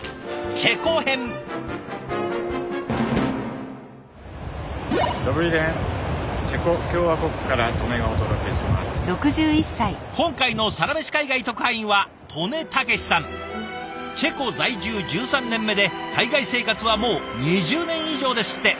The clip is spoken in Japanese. チェコ在住１３年目で海外生活はもう２０年以上ですって。